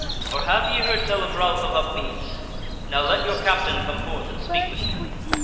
Or have ye heard tell of Ralph of Upmeads? Now let your captain come forth and speak with me."